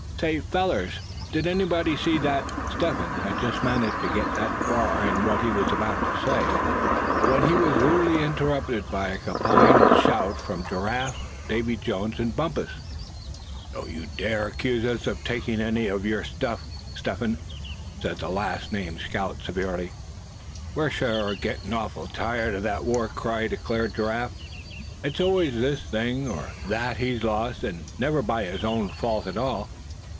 "Say fellers, did anybody see that " Step Hen had just managed to get that far in what he was about to say, when he was rudely interrupted by a combined shout from Giraffe, Davy Jones, and Bumpus. "Don't you dare accuse us of taking any of your old traps, Step Hen!" said the last named scout, severely. "We're sure gettin' awful tired of that war cry," declared Giraffe. "It's always this thing or that he's lost, and never by his own fault at all.